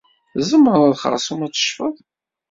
Tzemreḍ xersum ad teccfeḍ.